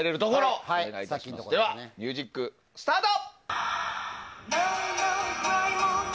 では、ミュージックスタート！